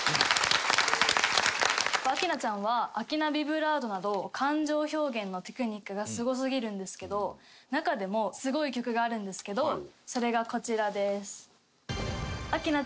明菜ちゃんは明菜ビブラートなど感情表現のテクニックがすごすぎるんですけど中でもすごい曲があるんですけどそれがこちらです。